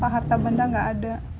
harta benda nggak ada